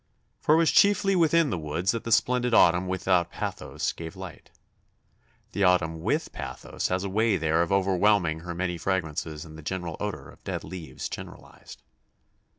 For it was chiefly within the woods that the splendid autumn without pathos gave delight. The autumn with pathos has a way there of overwhelming her many fragrances in the general odour of dead leaves generalized.